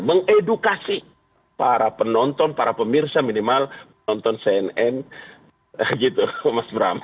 mengedukasi para penonton para pemirsa minimal penonton cnn gitu mas bram